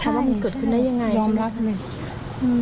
ต่างตกใจใช่ไหมคะว่าคุณเกิดขึ้นได้อย่างไรใช่ไหมครับใช่ร้องรักใช่ไหม